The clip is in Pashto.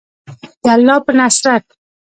د الله په نصرت.